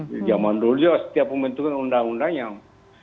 di zaman dulu dia setiap pembentukan undang undang yang